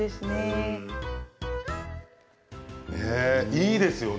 いいですよね。